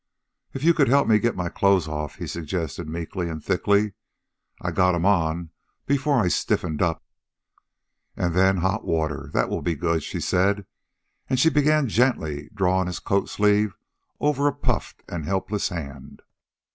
"If you could help me get my clothes off," he suggested meekly and thickly. "I got 'em on before I stiffened up." "And then hot water that will be good," she said, as she began gently drawing his coat sleeve over a puffed and helpless hand.